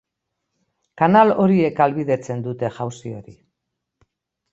Kanal horiek ahalbidetzen dute jauzi hori.